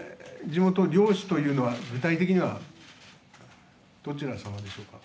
地元漁師というのは具体的にはどちら様でしょうか。